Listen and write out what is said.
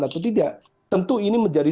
atau tidak tentu ini menjadi